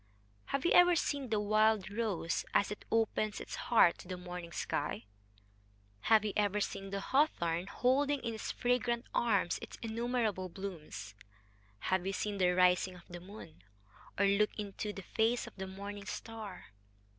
Have you ever seen the wild rose as it opens its heart to the morning sky; have you ever seen the hawthorn holding in its fragrant arms its innumerable blooms; have you seen the rising of the moon, or looked in the face of the morning star?